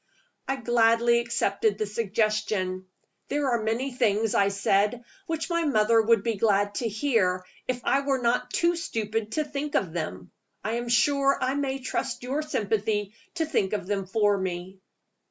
I gladly accepted the suggestion. "There are many things," I said, "which my mother would be glad to hear, if I were not too stupid to think of them. I am sure I may trust your sympathy to think of them for me."